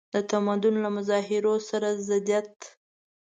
د تمدن له مظاهرو سره ضدیت.